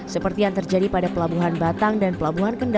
seperti yang terjadi pada pelabuhan batang dan pelabuhan kendal